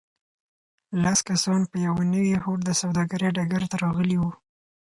لس کسان په یوه نوي هوډ د سوداګرۍ ډګر ته راغلي وو.